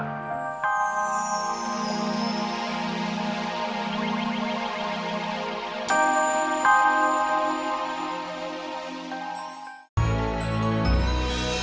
udah mau ke rumah